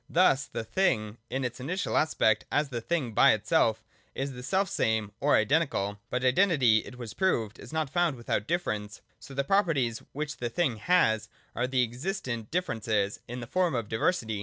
Thus the thing, in its initial aspect, as the thing by itself, is the self same or identical. But identity, it was proved, is not found without difference : so the properties, which the thing has, are the existent difference in the form of diversity.